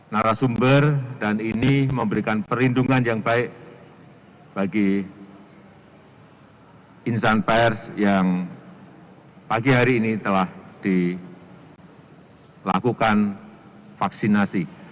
narasumber dan ini memberikan perlindungan yang baik bagi insan pers yang pagi hari ini telah dilakukan vaksinasi